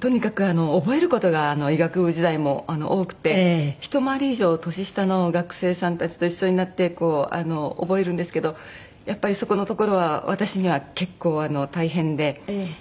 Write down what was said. とにかくあの覚える事が医学部時代も多くてひと回り以上年下の学生さんたちと一緒になってこう覚えるんですけどやっぱりそこのところは私には結構大変で。